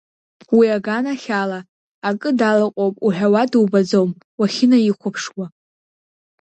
Уи аганахьала, акы далаҟоуп уҳәауа дубаӡом, уахьынаихәаԥшуа.